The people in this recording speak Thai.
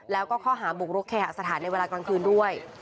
แล้วก็ข้อหาบุกรุกเคหสถานในเวลากลางคืนด้วย